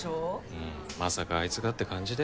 うんまさかあいつがって感じだよ。